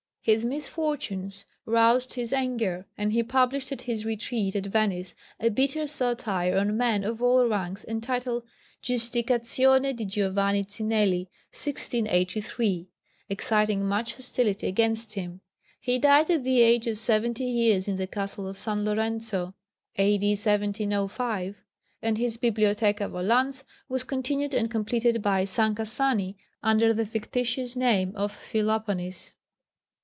His misfortunes roused his anger, and he published at his retreat at Venice a bitter satire on men of all ranks entitled Giusticazione di Giovanni Cinelli (1683), exciting much hostility against him. He died at the age of seventy years in the Castle of San Lorenzo, A.D. 1705, and his Bibliotheca volans was continued and completed by Sancassani under the fictitious name of Philoponis.